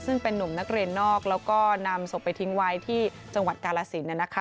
ซึ่งเป็นนุ่มนักเรียนนอกแล้วก็นำศพไปทิ้งไว้ที่จังหวัดกาลสินนะคะ